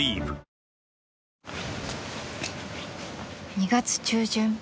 ［２月中旬］